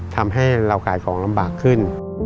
ทำให้เราขายของลำบากขึ้น